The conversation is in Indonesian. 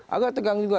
agak tegang juga